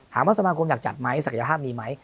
สมาคมอยากจัดไหมศักยภาพมีไหม